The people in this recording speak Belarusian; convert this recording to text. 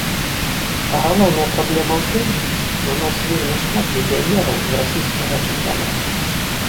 А галоўная праблема ў тым, што ў нас вельмі шмат легіянераў з расійскага чэмпіянату.